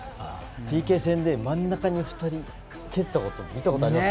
ＰＫ戦で真ん中に２人蹴ったこと見たことあります？